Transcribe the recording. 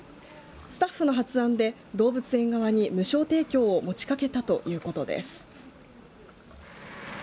スタッフの発案で動物園側に無償提供を持ちかけたということです。